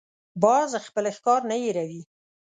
باز خپل ښکار نه هېروي